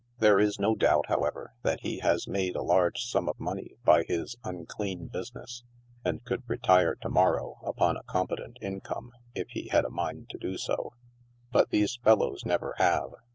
There is no doubt, however, that he has made a large sum of money by his unclean business, and could retire to morrow, upon a competent in come, if he had a mind to do so. But these fellows never have.